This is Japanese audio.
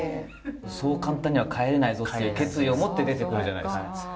そう簡単には帰れないぞっていう決意を持って出てくるじゃないですか。